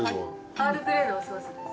アールグレイのおソースです。